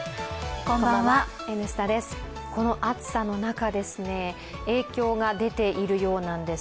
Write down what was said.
この暑さの中、影響が出ているようなんです。